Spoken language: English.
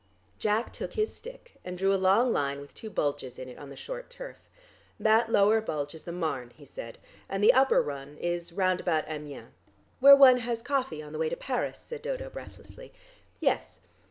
Jack took his stick and drew a long line with two bulges in it on the short turf. "That lower bulge is the Marne," he said, "and the upper one is round about Amiens." "Where one has coffee on the way to Paris," said Dodo breathlessly. "Yes.